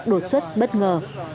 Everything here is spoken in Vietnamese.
đột xuất bất ngờ